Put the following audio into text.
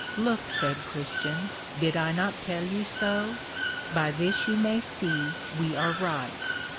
Look, said Christian, did I not tell you so? by this you may see we are right.